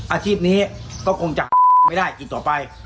อาชีพนี้ก็จะไม่ได้กลัวไป